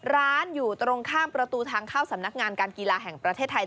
ร้านอยู่ตรงข้ามประตูทางเข้าสำนักงานการกีฬาแห่งประเทศไทย